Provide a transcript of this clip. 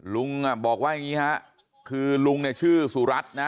ลุงบอกว่าอย่างนี้ฮะคือลุงเนี่ยชื่อสุรัตน์นะ